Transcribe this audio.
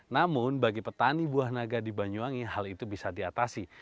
namun bagi petani buah naga di banyuwangi hal itu bisa diatasi